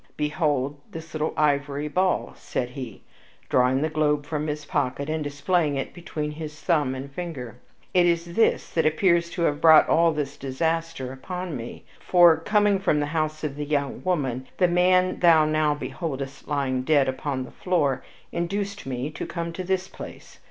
Behold this little ivory ball," said he, drawing the globe from his pocket, and displaying it between his thumb and finger. "It is this that appears to have brought all this disaster upon me; for, coming from the house of the young woman, the man whom thou now beholdest lying dead upon the floor induced me to come to this place.